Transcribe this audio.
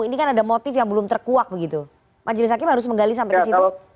ini kan ada motif yang belum terkuak begitu majelis hakim harus menggali sampai ke situ